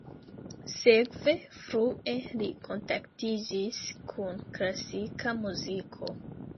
Sekve frue li kontaktiĝis kun klasika muziko.